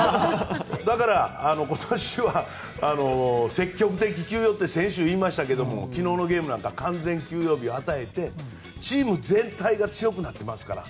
だから今年は積極的休養って先週言いましたけど昨日のゲームなんか完全休養日を与えてチーム全体が強くなっていますから。